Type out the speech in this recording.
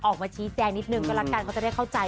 ออกมาชี้แจงนิดนึงก็ละกันเขาจะได้เข้าใจ